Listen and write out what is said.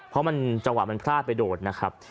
เพราะมันจังหวะมันพลาดไปโดนนะครับ